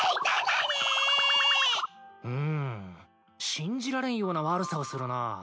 うむ信じられんような悪さをするなぁ。